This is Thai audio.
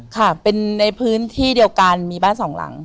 ค่ะเป็นในพื้นที่เดียวกันมีบ้านสองหลัง